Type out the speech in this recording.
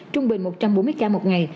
trung bình một trăm bốn mươi ca một ngày